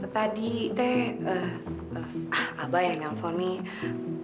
tadi teh abah yang nelfon nih